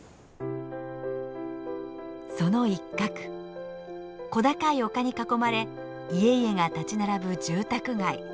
その一角小高い丘に囲まれ家々が立ち並ぶ住宅街。